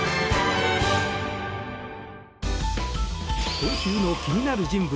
今週の気になる人物